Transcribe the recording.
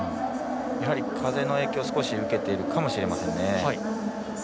やはり風の影響を少し受けているかもしれませんね。